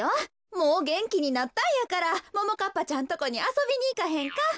もうげんきになったんやからももかっぱちゃんとこにあそびにいかへんか？